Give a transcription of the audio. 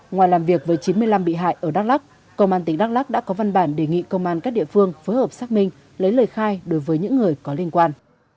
ngoài làm việc với chín mươi năm bị hại ở đắk lắk công an tỉnh đắk lắc đã có văn bản đề nghị công an các địa phương phối hợp xác minh lấy lời khai đối với những người có liên quan